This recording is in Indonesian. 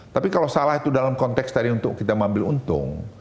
tapi kalau salah itu dalam konteks tadi untuk kita ambil untung